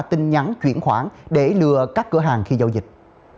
tin nhắn chuyển khoản để lừa các cửa hàng khi giao dịch